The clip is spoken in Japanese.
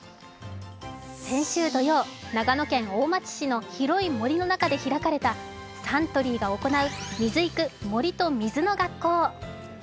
先週土曜、長野県大町市の広い森の中で開かれたサントリーが行う水育「森と水の学校」。